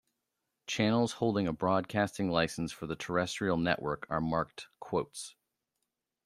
"Channels holding a broadcasting license for the terrestrial network are marked """.